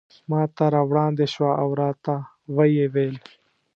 ماته را وړاندې شوه او راته ویې ویل.